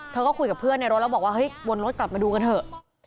เธอก็คุยกับเพื่อนในรถแล้วบอกว่าเฮ้ยวนรถกลับมาดูกันเถอะ